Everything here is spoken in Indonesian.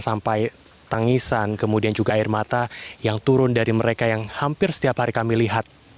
sampai tangisan kemudian juga air mata yang turun dari mereka yang hampir setiap hari kami lihat